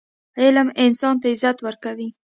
علم انسان ته عزت ورکوي.